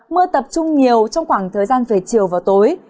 mưa tập trung nhiều trong khoảng thời gian về chiều và tối